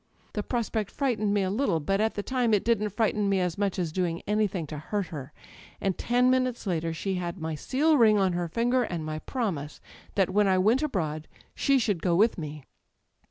The prospect frightened me a little, but at the time it didn't frighten me as much as doing anything to hurt her; and ten minutes later she had my seal ring on her finger, and my promise that when I iiirent abroad she should go with me.